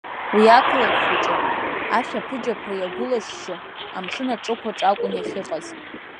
Уи ақалақь хәыҷы, ашәаԥыџьаԥра иагәылашьшьы, амшын аҿықәаҿ акәын иахьыҟаз.